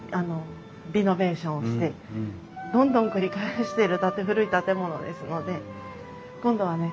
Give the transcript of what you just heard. リノベーションをしてどんどん繰り返してる古い建物ですので今度はね